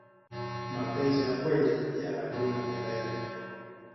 mapenzi ya kweli yanadumu milele